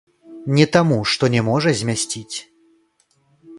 Не таму, што не можа змясціць.